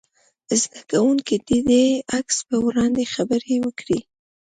زده کوونکي دې د عکس په وړاندې خبرې وکړي.